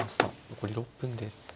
残り６分です。